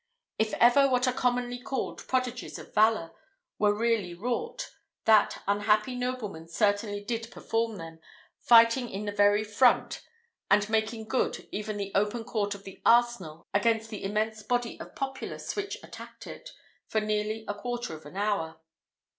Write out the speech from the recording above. If ever what are commonly called prodigies of valour were really wrought, that unhappy nobleman certainly did perform them, fighting in the very front, and making good even the open court of the arsenal against the immense body of populace which attacked it, for nearly a quarter of an hour.